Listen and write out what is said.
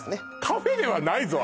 カフェではないぞ！